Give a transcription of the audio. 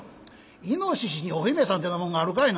イノシシにお姫さんってなもんがあるかいな」。